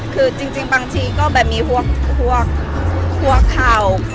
คือจริงบางทีก็มีฮวกเขา